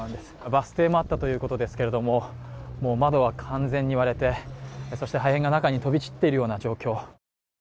バス停もあったということですけれども、窓は完全に割れて、破片が中に飛び散っているような状況。